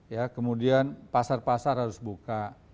ya kemudian pasar pasar harus buka